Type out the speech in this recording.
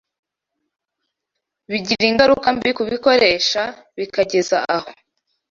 bigira ingaruka mbi k’ubikoresha bikageza aho